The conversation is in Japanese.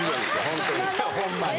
ホントに。